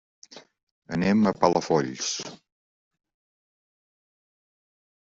Anem a Palafolls.